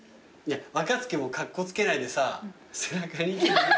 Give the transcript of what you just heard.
若槻もカッコつけないでさ背中ニキビ。